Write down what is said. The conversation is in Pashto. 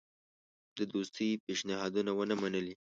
د دوستی پېشنهادونه ونه منلې.